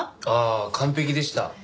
ああ完璧でした。